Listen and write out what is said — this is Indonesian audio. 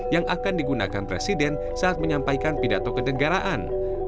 yang akan digunakan presiden saat menyampaikan pidato kenegaraan